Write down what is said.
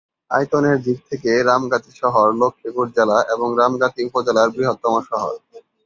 আয়তনের দিক থেকে রামগতি শহর লক্ষ্মীপুর জেলা এবং রামগতি উপজেলার বৃহত্তম শহর।